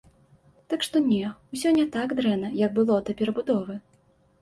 Так што не, усё не так дрэнна, як было да перабудовы.